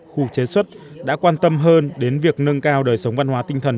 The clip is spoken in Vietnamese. khu chế xuất đã quan tâm hơn đến việc nâng cao đời sống văn hóa tinh thần